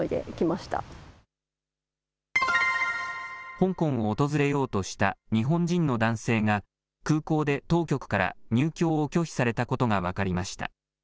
香港を訪れようとした日本人の男性が、空港で当局から入境を拒否されたことが分かりました。